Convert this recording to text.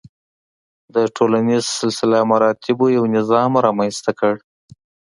د ټولنیز سلسله مراتبو یو نظام رامنځته کړ.